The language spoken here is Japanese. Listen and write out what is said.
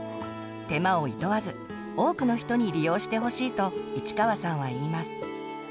手間をいとわず多くの人に利用してほしいと市川さんは言います。